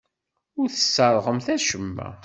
Ur tesserɣemt acemma.